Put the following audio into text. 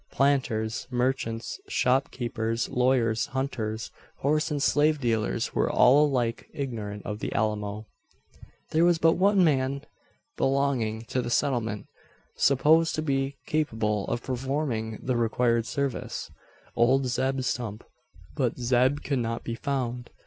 Planters, merchants, shopkeepers, lawyers, hunters, horse and slave dealers, were all alike ignorant of the Alamo. There was but one man belonging to the settlement supposed to be capable of performing the required service old Zeb Stump. But Zeb could not be found.